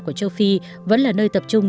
của châu phi vẫn là nơi tập trung